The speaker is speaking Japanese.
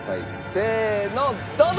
せーのどうぞ！